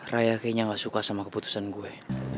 ray akhirnya gak suka sama keputusan gue